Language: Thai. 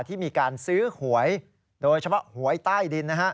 ที่มีการซื้อหวยโดยเฉพาะหวยใต้ดินนะฮะ